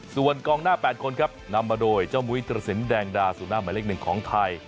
ส่วนกองหน้า๘คนครับนำมาโดยเจ้ามวิตรศิลป์แดงดาศูนาหมายเลขหนึ่งของไทย